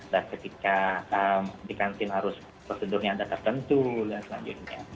dan ketika dikantin harus prosedurnya ada tertentu dan selanjutnya